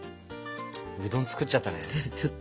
うどん作っちゃったね。